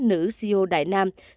nữ ceo đại nam